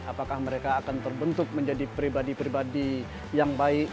apakah mereka akan terbentuk menjadi pribadi pribadi yang baik